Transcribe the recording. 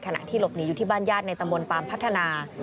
ขณะที่หลบหนีอยู่ที่บ้านญาติในตำบลปามพัฒนา